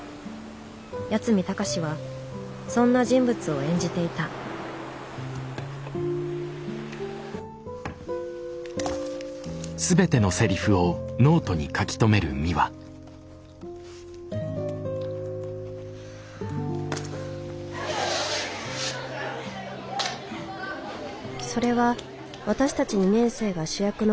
八海崇はそんな人物を演じていたそれは私たち２年生が主役の文化祭。